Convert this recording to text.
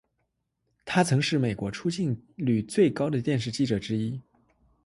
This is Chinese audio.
他曾是美国出境频率最高的电视记者之一。